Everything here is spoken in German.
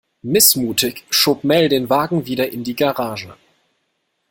Missmutig schob Mel den Wagen wieder in die Garage.